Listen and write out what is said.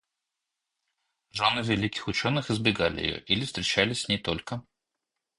Жены великих ученых избегали ее или встречались с ней только